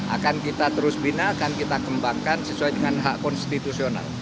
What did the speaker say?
akan kita terus bina akan kita kembangkan sesuai dengan hak konstitusional